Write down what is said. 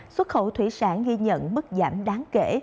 xuất khẩu thủy sản ghi nhận mức giảm đáng kể